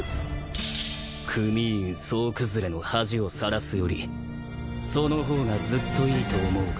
組員総崩れの恥をさらすよりその方がずっといいと思うが？